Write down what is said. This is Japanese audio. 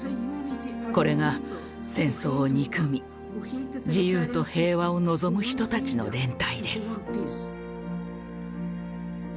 これが戦争を憎み自由と平和を望む人たちの連帯です。